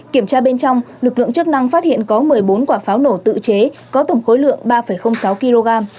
kiểm tra bên trong lực lượng chức năng phát hiện có một mươi bốn quả pháo nổ tự chế có tổng khối lượng ba sáu kg